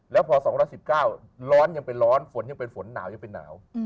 แล้วพอ๒๑๙ร้อนยังเป็นร้อนฝนยังเป็นฝนหนาวยังเป็นหนาว